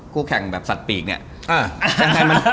คู่แข่งแบบสัตว์ปีกเนี่ย